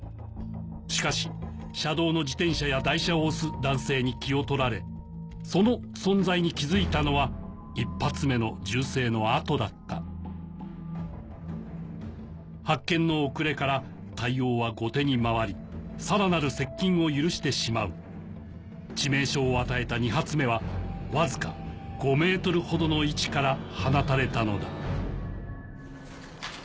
しかし車道の自転車や台車を押す男性に気を取られその存在に気付いたのは１発目の銃声の後だった発見の遅れから対応は後手に回りさらなる接近を許してしまう致命傷を与えた２発目はわずか５ｍほどの位置から放たれたのだ